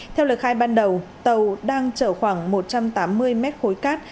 theo lời khai ban đầu tàu đang chở khoảng một trăm tám mươi mét khối cát